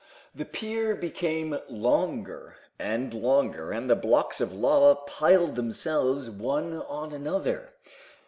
The pier became longer and longer, and the blocks of lava piled themselves one on another.